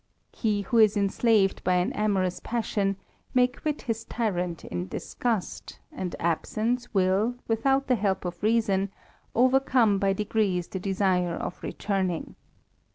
He who is ensla^ by an amorous passion, may quit his tyrant in disgust, absence will, without the help of reason, overcome degrees the desire of returning.